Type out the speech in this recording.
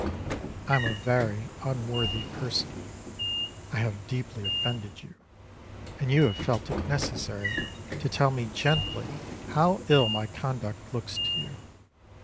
I am a very unworthy person; I have deeply offended you; and you have felt it necessary to tell me gently how ill my conduct looks to you.